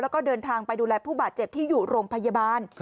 แล้วก็เดินทางไปดูแลผู้บาดเจ็บที่อยู่โรงพยาบาล